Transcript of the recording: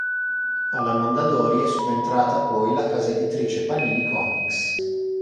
Alla Mondadori è subentrata poi la casa editrice Panini comics.